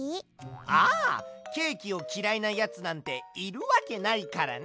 ああケーキをきらいなやつなんているわけないからな！